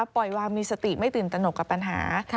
ปล่อยวางมีสติไม่ตื่นตนกกับปัญหา